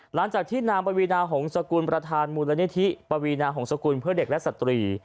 หลังจากที่นางปวีนาหงษกุลประธานมูลนิธิปวีนาหงษกุลเพื่อเด็กและสตรี